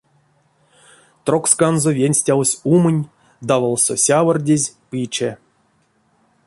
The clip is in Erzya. Троксканзо венстявсь умонь даволсо сявордезь пиче.